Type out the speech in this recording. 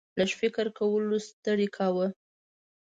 لږ فکر کولو ستړی کاوه.